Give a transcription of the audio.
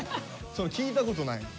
聞いたことないもん。